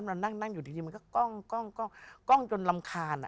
มันนั่งอยู่ดีมันก็ก้องจนรำคาญ